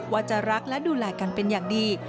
ว่าจะรักและดูแลกันเป็นอย่างดี